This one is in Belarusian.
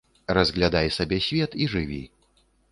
Разглядай сабе свет і жыві.